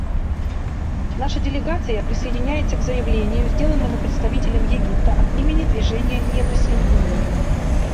Наша делегация присоединяется к заявлению, сделанному представителем Египта от имени Движения неприсоединения.